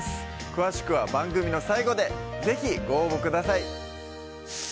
詳しくは番組の最後で是非ご応募ください